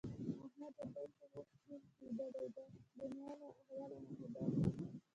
احمد د پيل په غوږ کې ويده دی؛ د دونيا له احواله ناخبره دي.